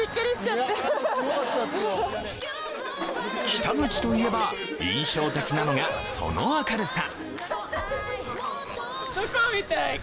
北口といえば印象的なのがその明るさ。